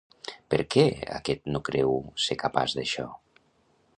Per què aquest no creu ser capaç d'això?